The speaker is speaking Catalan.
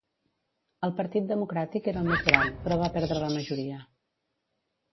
El partit democràtic era el més gran, però va perdre la majoria.